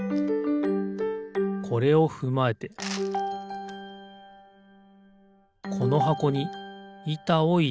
これをふまえてこのはこにいたをいれる。